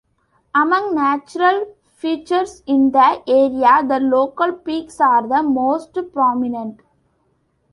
Among natural features in the area, the local peaks are the most prominent.